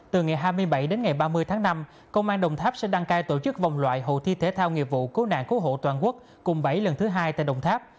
từ ngày hai mươi bảy đến ngày ba mươi tháng năm công an đồng tháp sẽ đăng cai tổ chức vòng loại hội thi thể thao nghiệp vụ cứu nạn cứu hộ toàn quốc cùng bảy lần thứ hai tại đồng tháp